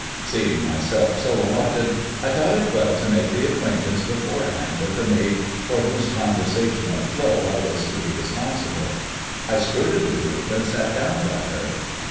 Seeing myself so allotted, I thought it well to make the acquaintance beforehand of the maid for whose conversational flow I was to be responsible. I skirted the group, and sat down by her.